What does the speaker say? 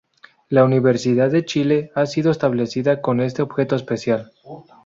La Universidad de Chile ha sido establecida con este objeto especial"".